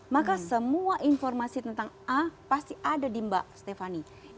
maka semua informasi tentang a pasti ada di mbak stephani